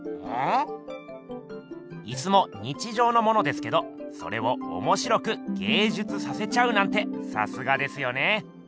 椅子も日じょうのものですけどそれをおもしろく芸術させちゃうなんてさすがですよね。